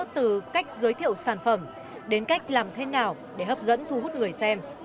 từ cách giới thiệu sản phẩm đến cách làm thế nào để hấp dẫn thu hút người xem